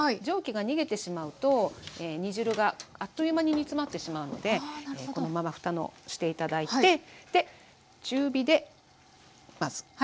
蒸気が逃げてしまうと煮汁があっという間に煮詰まってしまうのでこのままふたのして頂いて。